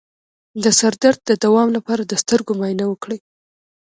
د سر درد د دوام لپاره د سترګو معاینه وکړئ